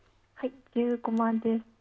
１５万です。